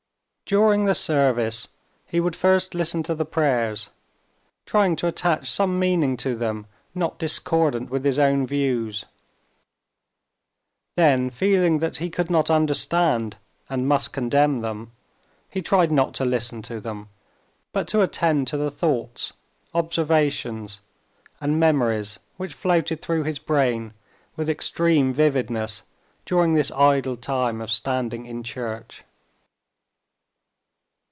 During the service he would first listen to the prayers, trying to attach some meaning to them not discordant with his own views; then feeling that he could not understand and must condemn them, he tried not to listen to them, but to attend to the thoughts, observations, and memories which floated through his brain with extreme vividness during this idle time of standing in church.